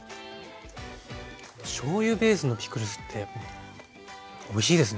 しょうゆベースのピクルスっておいしいですね。